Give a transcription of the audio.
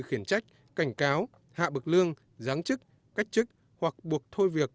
khiển trách cảnh cáo hạ bậc lương giáng chức cách chức hoặc buộc thôi việc